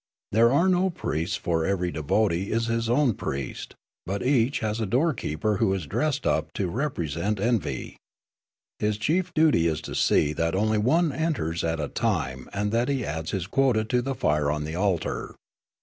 There are no priests, for every devotee is his own priest; but each has a doorkeeper who is dressed up to represent Env5^ His chief duty is to see that only one enters at a time and that he adds his quota to the fire on the altar.